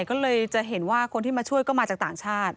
ก็เลยจะเห็นว่าคนที่มาช่วยก็มาจากต่างชาติ